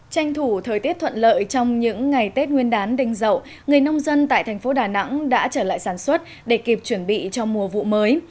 tranh thủ thời tiết thuận lợi trong những ngày tết nguyên đán đình dậu người nông dân tại thành phố đà nẵng đã trở lại sản xuất để kịp chuẩn bị cho mùa vụ mới